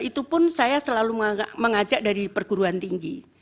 itu pun saya selalu mengajak dari perguruan tinggi